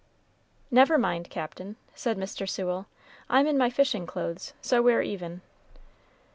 "Never mind, Captain," said Mr. Sewell; "I'm in my fishing clothes, so we're even."